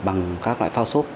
bằng các loại phao sốt